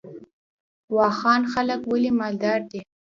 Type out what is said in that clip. واخان خلک ولې مالدار دي؟